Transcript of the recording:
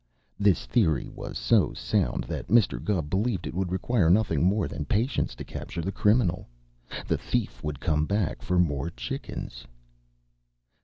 This theory was so sound that Mr. Gubb believed it would require nothing more than patience to capture the criminal. The thief would come back for more chickens!